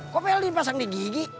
kok bel di pasang di gigi